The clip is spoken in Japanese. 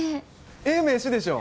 ええ名刺でしょ？